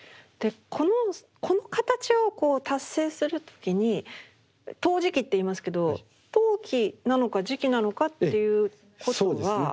この形をこう達成する時に陶磁器っていいますけど陶器なのか磁器なのかっていうことは。